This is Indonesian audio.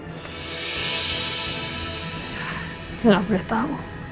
sal tidak boleh tahu